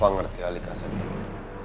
papa ngerti alika sedih